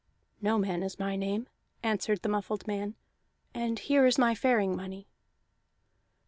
"No man is my name," answered the muffled man, "and here is my faring money."